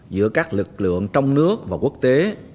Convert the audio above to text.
giữa các lực lượng trong nước và quốc tế